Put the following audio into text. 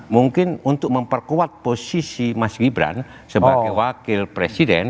mungkin untuk memperkuat posisi mas gibran sebagai wakil presiden